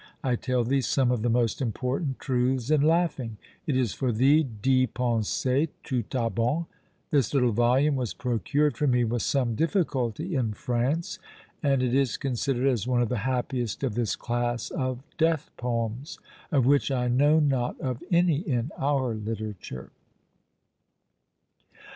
I tell thee some of the most important truths in laughing; it is for thee d'y penser tout à bon." This little volume was procured for me with some difficulty in France; and it is considered as one of the happiest of this class of death poems, of which I know not of any in our literature.